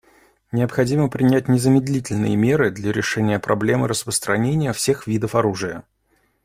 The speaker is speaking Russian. Необходимо принять незамедлительные меры для решения проблемы распространения всех видов оружия.